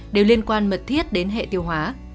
đều liên quan mật thiết đến hệ tiêu hóa